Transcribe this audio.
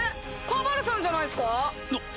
カバルさんじゃないっすか？